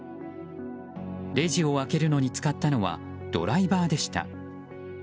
レジを開けるのに使ったのはドライバーでした。